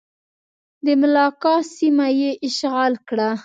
د ملاکا سیمه یې اشغال کړه.